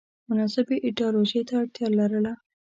مناسبې ایدیالوژۍ ته اړتیا لرله